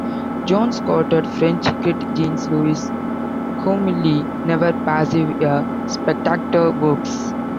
Jones quoted French critic Jean-Louis Comolli: "Never passive, a spectator works".